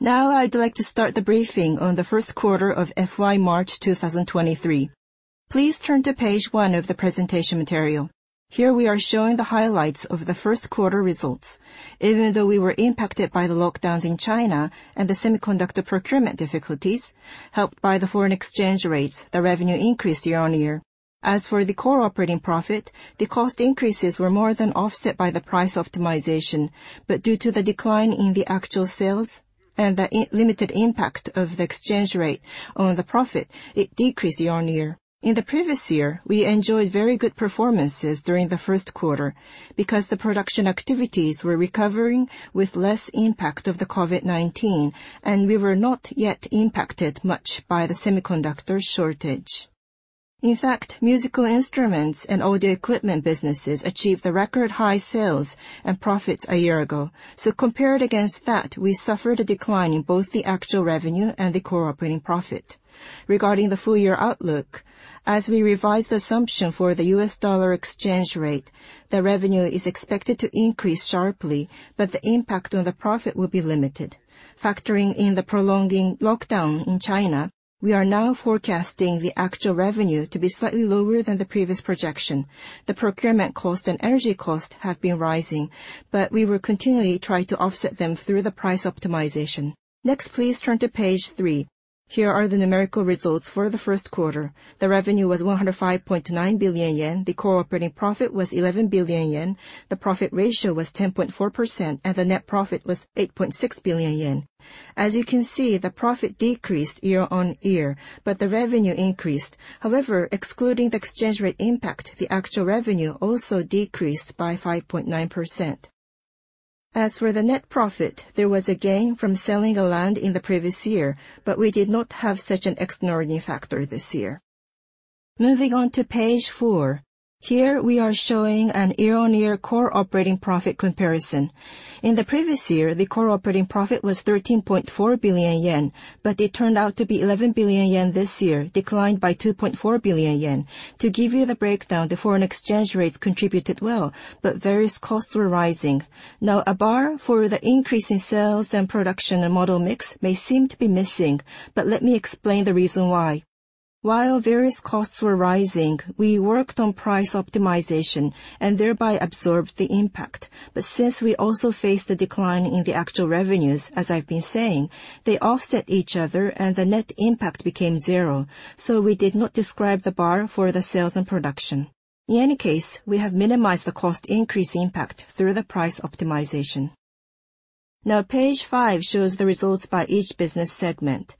Now I'd like to start the briefing on the Q1 of FY March 2023. Please turn to page 1 of the presentation material. Here we are showing the highlights of the Q1 results. Even though we were impacted by the lockdowns in China and the semiconductor procurement difficulties, helped by the foreign exchange rates, the revenue increased year-on-year. As for the core operating profit, the cost increases were more than offset by the price optimization. Due to the decline in the actual sales and the limited impact of the exchange rate on the profit, it decreased year-on-year. In the previous year, we enjoyed very good performances during the Q1 because the production activities were recovering with less impact of the COVID-19, and we were not yet impacted much by the semiconductor shortage. In fact, Musical Instruments and Audio Equipment businesses achieved the record high sales and profits a year ago. Compared against that, we suffered a decline in both the actual revenue and the core operating profit. Regarding the full year outlook, as we revised the assumption for the U.S. dollar exchange rate, the revenue is expected to increase sharply, but the impact on the profit will be limited. Factoring in the prolonging lockdown in China, we are now forecasting the actual revenue to be slightly lower than the previous projection. The procurement cost and energy cost have been rising, but we will continually try to offset them through the price optimization. Next, please turn to page 3. Here are the numerical results for the Q1. The revenue was 105.9 billion yen. The core operating profit was 11 billion yen. The profit ratio was 10.4%, and the net profit was 8.6 billion yen. As you can see, the profit decreased year-on-year, but the revenue increased. However, excluding the exchange rate impact, the actual revenue also decreased by 5.9%. As for the net profit, there was a gain from selling the land in the previous year, but we did not have such an extraordinary factor this year. Moving on to page 4. Here we are showing a year-on-year core operating profit comparison. In the previous year, the core operating profit was 13.4 billion yen, but it turned out to be 11 billion yen this year, declined by 2.4 billion yen. To give you the breakdown, the foreign exchange rates contributed well, but various costs were rising. A bar for the increase in sales and production and model mix may seem to be missing, but let me explain the reason why. While various costs were rising, we worked on price optimization and thereby absorbed the impact. Since we also faced a decline in the actual revenues, as I've been saying, they offset each other and the net impact became zero, so we did not describe the bar for the sales and production. In any case, we have minimized the cost increase impact through the price optimization. Now page 5 shows the results by each business segment.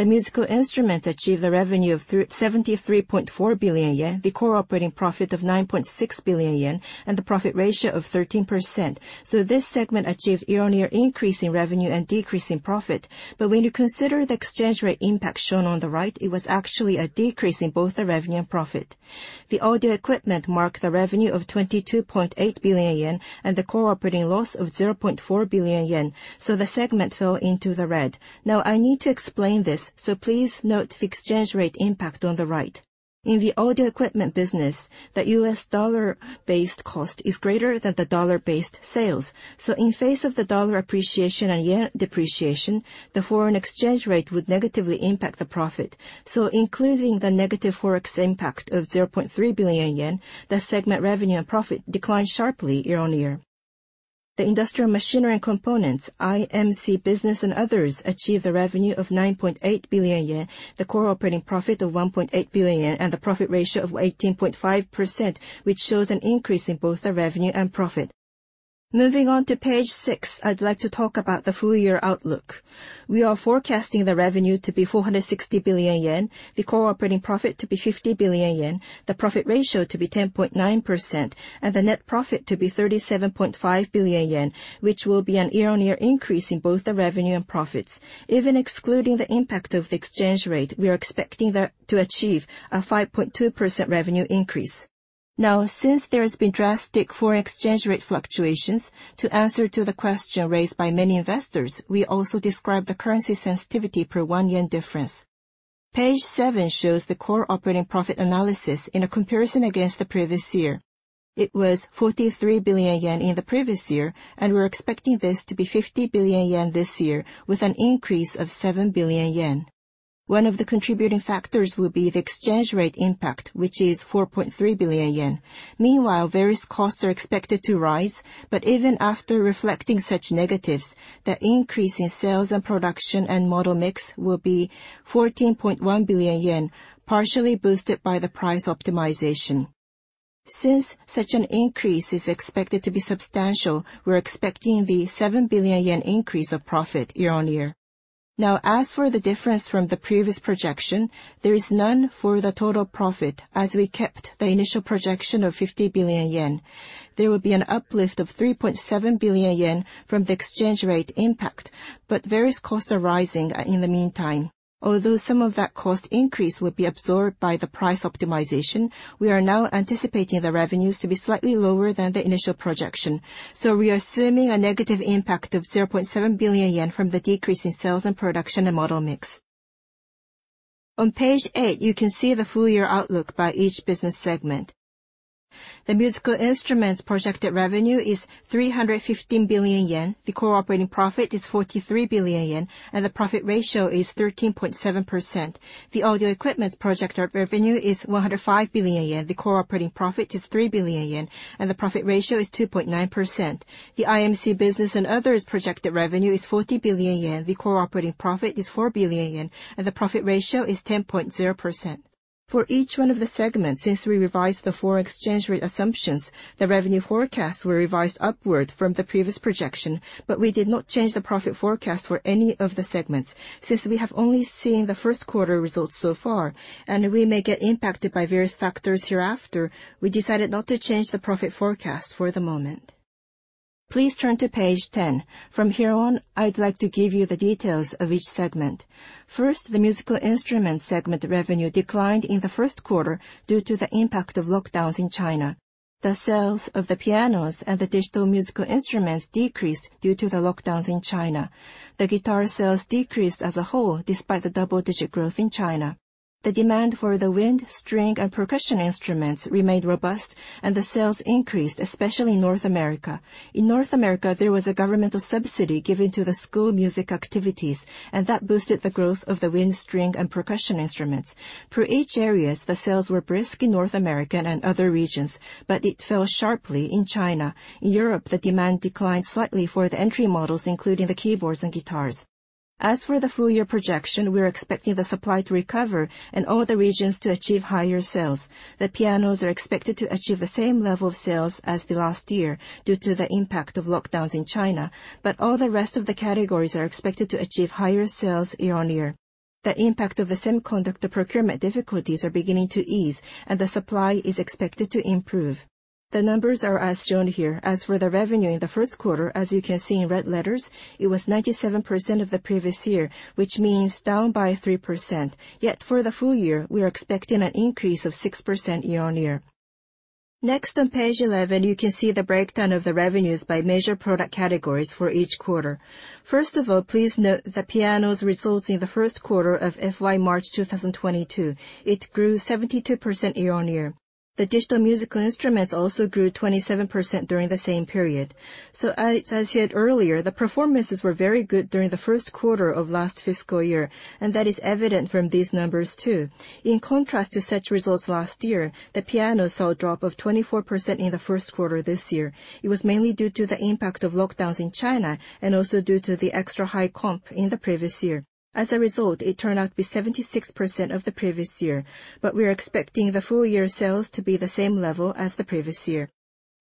The Musical Instruments achieved a revenue of 73.4 billion yen, the core operating profit of 9.6 billion yen, and the profit ratio of 13%. This segment achieved year-on-year increase in revenue and decrease in profit. When you consider the exchange rate impact shown on the right, it was actually a decrease in both the revenue and profit. The Audio Equipment had a revenue of 22.8 billion yen and the core operating loss of 0.4 billion yen, so the segment fell into the red. Now I need to explain this, so please note the exchange rate impact on the right. In the Audio Equipment business, the US dollar-based cost is greater than the dollar-based sales. In the face of the dollar appreciation and yen depreciation, the foreign exchange rate would negatively impact the profit. Including the negative Forex impact of 0.3 billion yen, the segment revenue and profit declined sharply year-over-year. The industrial machinery and components, IMC business and others, achieved a revenue of 9.8 billion yen, the core operating profit of 1.8 billion yen, and the profit ratio of 18.5%, which shows an increase in both the revenue and profit. Moving on to page 6, I'd like to talk about the full year outlook. We are forecasting the revenue to be 460 billion yen, the core operating profit to be 50 billion yen, the profit ratio to be 10.9%, and the net profit to be 37.5 billion yen, which will be a year-on-year increase in both the revenue and profits. Even excluding the impact of the exchange rate, we are expecting to achieve a 5.2% revenue increase. Now, since there has been drastic foreign exchange rate fluctuations, to answer the question raised by many investors, we also describe the currency sensitivity per 1 yen difference. Page 7 shows the core operating profit analysis in a comparison against the previous year. It was 43 billion yen in the previous year, and we're expecting this to be 50 billion yen this year, with an increase of 7 billion yen. One of the contributing factors will be the exchange rate impact, which is 4.3 billion yen. Meanwhile, various costs are expected to rise, but even after reflecting such negatives, the increase in sales and production and model mix will be 14.1 billion yen, partially boosted by the price optimization. Since such an increase is expected to be substantial, we're expecting the 7 billion yen increase of profit year-on-year. Now, as for the difference from the previous projection, there is none for the total profit, as we kept the initial projection of 50 billion yen. There will be an uplift of 3.7 billion yen from the exchange rate impact, but various costs are rising, in the meantime. Although some of that cost increase will be absorbed by the price optimization, we are now anticipating the revenues to be slightly lower than the initial projection. We are assuming a negative impact of 0.7 billion yen from the decrease in sales and production and model mix. On page 8, you can see the full year outlook by each business segment. The Musical Instruments projected revenue is 315 billion yen. The core operating profit is 43 billion yen, and the profit ratio is 13.7%. The Audio Equipment's projected revenue is 105 billion yen. The core operating profit is 3 billion yen, and the profit ratio is 2.9%. The IMC business and others projected revenue is 40 billion yen. The core operating profit is 4 billion yen, and the profit ratio is 10.0%. For each one of the segments, since we revised the foreign exchange rate assumptions, the revenue forecasts were revised upward from the previous projection, but we did not change the profit forecast for any of the segments. Since we have only seen the Q1 results so far, and we may get impacted by various factors hereafter, we decided not to change the profit forecast for the moment. Please turn to page 10. From here on, I'd like to give you the details of each segment. First, the Musical Instruments segment revenue declined in the Q1 due to the impact of lockdowns in China. The sales of the pianos and the Digital Musical Instruments decreased due to the lockdowns in China. The Guitars sales decreased as a whole, despite the double-digit growth in China. The demand for the Wind, String, and Percussion Instruments remained robust and the sales increased, especially in North America. In North America, there was a governmental subsidy given to the school music activities, and that boosted the growth of the Wind, String, and Percussion Instruments. Per each areas, the sales were brisk in North America and other regions, but it fell sharply in China. In Europe, the demand declined slightly for the entry models, including the Keyboards and Guitars. As for the full-year projection, we are expecting the supply to recover and all the regions to achieve higher sales. The pianos are expected to achieve the same level of sales as the last year due to the impact of lockdowns in China. All the rest of the categories are expected to achieve higher sales year-on-year. The impact of the semiconductor procurement difficulties are beginning to ease, and the supply is expected to improve. The numbers are as shown here. As for the revenue in the Q1, as you can see in red letters, it was 97% of the previous year, which means down by 3%. Yet, for the full year, we are expecting an increase of 6% year-on-year. Next, on page 11, you can see the breakdown of the revenues by major product categories for each quarter. First of all, please note the piano's results in the Q1 of FY March 2022, it grew 72% year-on-year. The digital musical instruments also grew 27% during the same period. As I said earlier, the performances were very good during the Q1 of last fiscal year, and that is evident from these numbers too. In contrast to such results last year, the piano saw a drop of 24% in the Q1 this year. It was mainly due to the impact of lockdowns in China and also due to the extra high comp in the previous year. As a result, it turned out to be 76% of the previous year, but we are expecting the full year sales to be the same level as the previous year.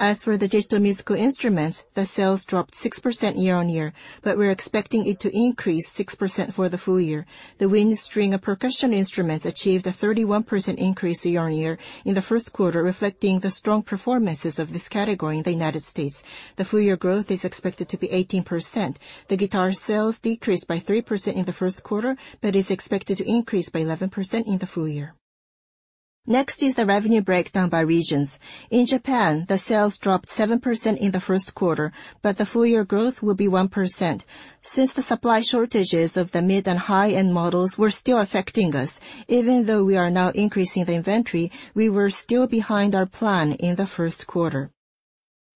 As for the digital musical instruments, the sales dropped 6% year-on-year, but we're expecting it to increase 6% for the full year. The Wind, String, and Percussion Instruments achieved a 31% increase year-on-year in the Q1, reflecting the strong performances of this category in the United States. The full year growth is expected to be 18%. The Guitar sales decreased by 3% in the Q1, but is expected to increase by 11% in the full year. Next is the revenue breakdown by regions. In Japan, the sales dropped 7% in the Q1, but the full year growth will be 1%. Since the supply shortages of the mid and high-end models were still affecting us, even though we are now increasing the inventory, we were still behind our plan in the Q1.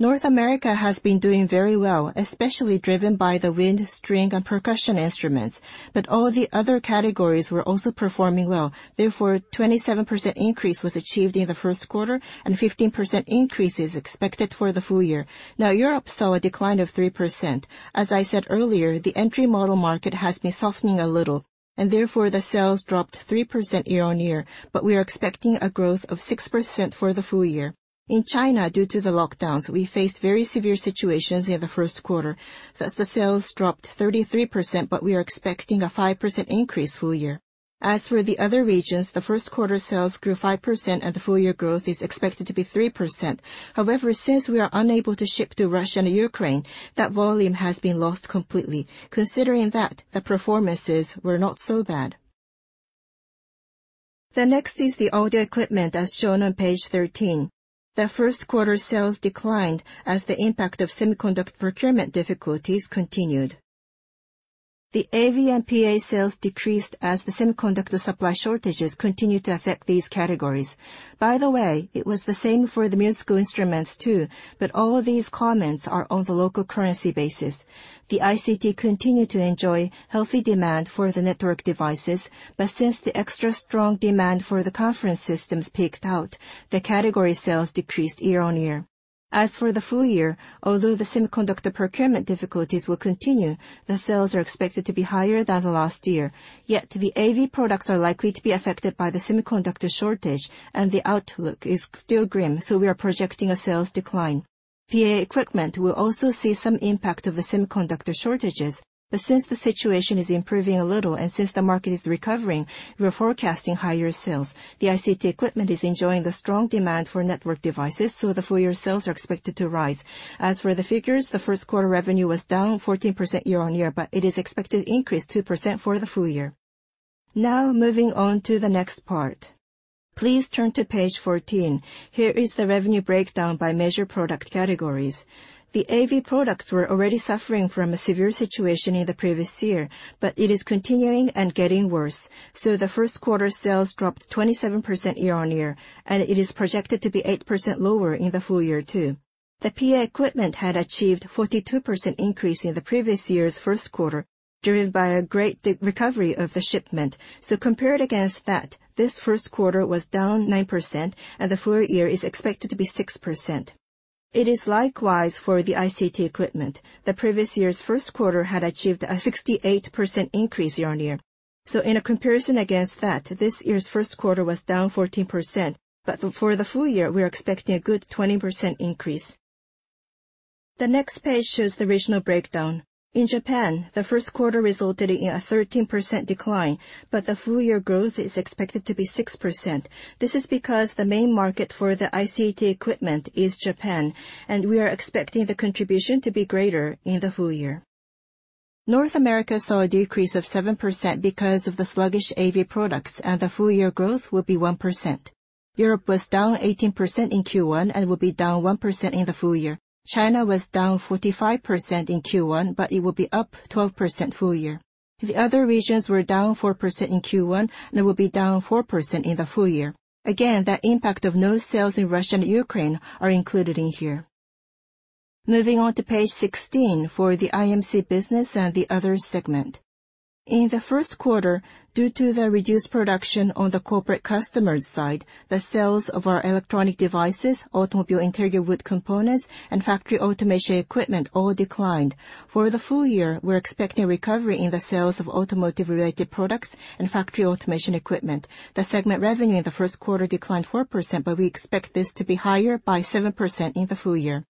North America has been doing very well, especially driven by the Wind, String, and Percussion Instruments. All the other categories were also performing well. Therefore, 27% increase was achieved in the Q1 and 15% increase is expected for the full year. Now Europe saw a decline of 3%. As I said earlier, the entry model market has been softening a little and therefore the sales dropped 3% year-on-year, but we are expecting a growth of 6% for the full year. In China, due to the lockdowns, we faced very severe situations in the Q1. Thus, the sales dropped 33%, but we are expecting a 5% increase full year. As for the other regions, the Q1 sales grew 5% and the full year growth is expected to be 3%. However, since we are unable to ship to Russia and Ukraine, that volume has been lost completely. Considering that, the performances were not so bad. The next is the audio equipment as shown on page 13. The Q1 sales declined as the impact of semiconductor procurement difficulties continued. The AV and PA sales decreased as the semiconductor supply shortages continued to affect these categories. By the way, it was the same for the musical instruments too, but all of these comments are on the local currency basis. The ICT continued to enjoy healthy demand for the network devices, but since the extra strong demand for the conference systems peaked out, the category sales decreased year-on-year. As for the full year, although the semiconductor procurement difficulties will continue, the sales are expected to be higher than the last year. Yet the AV products are likely to be affected by the semiconductor shortage and the outlook is still grim, so we are projecting a sales decline. PA equipment will also see some impact of the semiconductor shortages, but since the situation is improving a little and since the market is recovering, we are forecasting higher sales. The ICT equipment is enjoying the strong demand for network devices, so the full year sales are expected to rise. As for the figures, the Q1 revenue was down 14% year-on-year, but it is expected to increase 2% for the full year. Now moving on to the next part. Please turn to page 14. Here is the revenue breakdown by major product categories. The AV products were already suffering from a severe situation in the previous year, but it is continuing and getting worse. The Q1 sales dropped 27% year-on-year, and it is projected to be 8% lower in the full year too. The PA equipment had achieved 42% increase in the previous year's Q1, driven by a great recovery of the shipment. Compared against that, this Q1 was down 9% and the full year is expected to be 6%. It is likewise for the ICT equipment. The previous year's Q1 had achieved a 68% increase year-on-year. In a comparison against that, this year's Q1 was down 14%, but for the full year, we are expecting a good 20% increase. The next page shows the regional breakdown. In Japan, the Q1 resulted in a 13% decline, but the full year growth is expected to be 6%. This is because the main market for the ICT equipment is Japan, and we are expecting the contribution to be greater in the full year. North America saw a decrease of 7% because of the sluggish AV products, and the full year growth will be 1%. Europe was down 18% in Q1 and will be down 1% in the full year. China was down 45% in Q1, but it will be up 12% full year. The other regions were down 4% in Q1 and will be down 4% in the full year. Again, the impact of no sales in Russia and Ukraine are included in here. Moving on to page 16 for the IMC business and the other segment. In the Q1, due to the reduced production on the corporate customer's side, the sales of our electronic devices, automobile interior wood components, and factory automation equipment all declined. For the full year, we're expecting recovery in the sales of automotive-related products and factory automation equipment. The segment revenue in the Q1 declined 4%, but we expect this to be higher by 7% in the full year.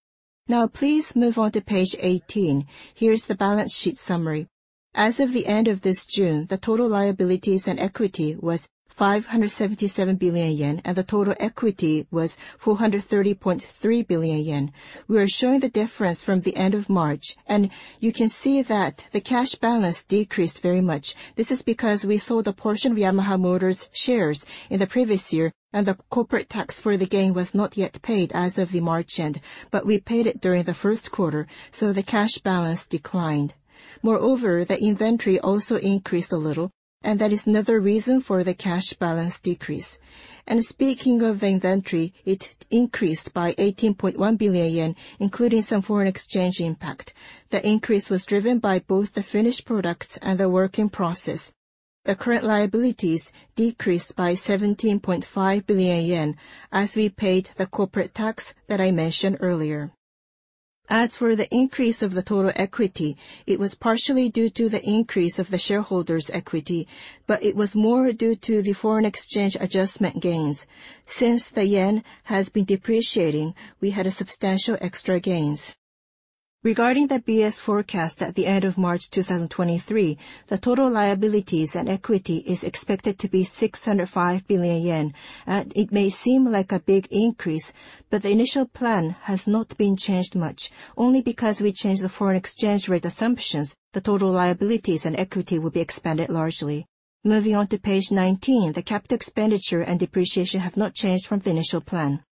Now please move on to page 18. Here is the balance sheet summary. As of the end of this June, the total liabilities and equity was 577 billion yen, and the total equity was 430.3 billion yen. We are showing the difference from the end of March, and you can see that the cash balance decreased very much. This is because we sold a portion of Yamaha Motor's shares in the previous year, and the corporate tax for the gain was not yet paid as of the March end, but we paid it during the Q1, so the cash balance declined. Moreover, the inventory also increased a little, and that is another reason for the cash balance decrease. Speaking of inventory, it increased by 18.1 billion yen, including some foreign exchange impact. The increase was driven by both the finished products and the work in process. The current liabilities decreased by 17.5 billion yen as we paid the corporate tax that I mentioned earlier. As for the increase of the total equity, it was partially due to the increase of the shareholders' equity, but it was more due to the foreign exchange adjustment gains. Since the yen has been depreciating, we had substantial extra gains. Regarding the BS forecast at the end of March 2023, the total liabilities and equity is expected to be 605 billion yen. It may seem like a big increase, but the initial plan has not been changed much. Only because we changed the foreign exchange rate assumptions, the total liabilities and equity will be expanded largely. Moving on to page 19, the capital expenditure and depreciation have not changed from the initial plan.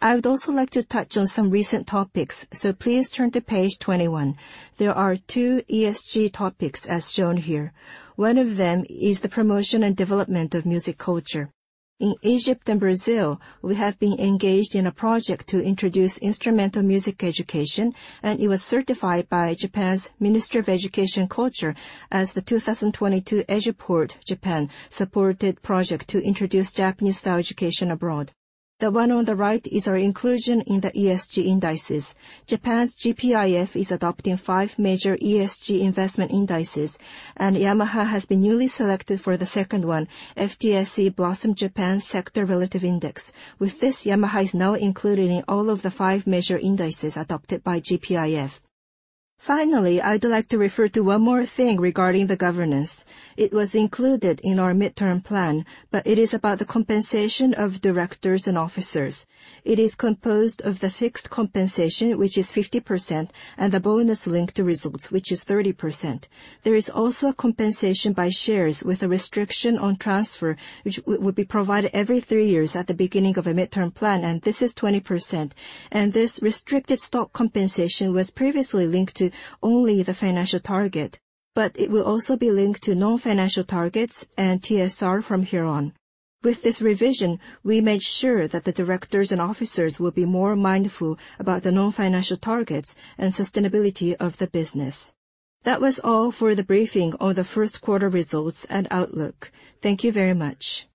I would also like to touch on some recent topics, so please turn to page 21. There are two ESG topics as shown here. One of them is the promotion and development of music culture. In Egypt and Brazil, we have been engaged in a project to introduce instrumental music education, and it was certified by Japan's Ministry of Education, Culture as the 2022 EduPort Japan supported project to introduce Japanese-style education abroad. The one on the right is our inclusion in the ESG indices. Japan's GPIF is adopting five major ESG investment indices, and Yamaha has been newly selected for the second one, FTSE Blossom Japan Sector Relative Index. With this, Yamaha is now included in all of the five major indices adopted by GPIF. Finally, I'd like to refer to one more thing regarding the governance. It was included in our midterm plan, but it is about the compensation of directors and officers. It is composed of the fixed compensation, which is 50%, and the bonus linked to results, which is 30%. There is also a compensation by shares with a restriction on transfer, which will be provided every three years at the beginning of a midterm plan, and this is 20%. This restricted stock compensation was previously linked to only the financial target, but it will also be linked to non-financial targets and TSR from here on. With this revision, we made sure that the directors and officers will be more mindful about the non-financial targets and sustainability of the business. That was all for the briefing on the Q1 results and outlook. Thank you very much.